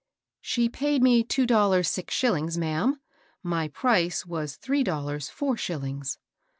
" She paid me two dollars six shillings, ma'am. My price was three dollars four shillings."